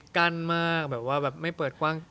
หรือว่าไม่เปิดกว้าง